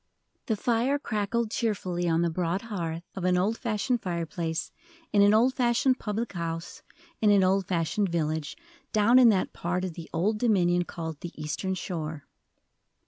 The fire crackled cheerfully on the broad hearth of an old fashioned fireplace in an old fashioned public house in an old fashioned village, down in that part of the Old Dominion called the "Eastern Shore."